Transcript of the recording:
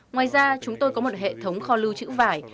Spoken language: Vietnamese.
ngoài ra chúng tôi có một hệ thống kho lưu trữ vải